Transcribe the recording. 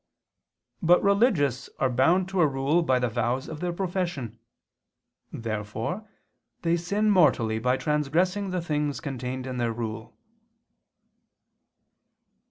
But religious are bound to a rule by the vows of their profession. Therefore they sin mortally by transgressing the things contained in their rule.